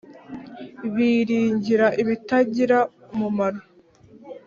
biringira ibitagira umumaro .